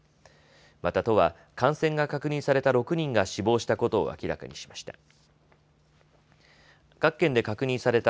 また、都は感染が確認された６人が死亡したことを明らかにしました。